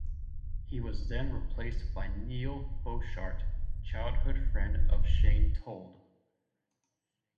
He was then replaced by Neil Boshart, childhood friend of Shane Told.